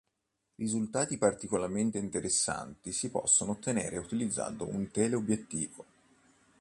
Risultati particolarmente interessanti si possono ottenere utilizzando un teleobiettivo.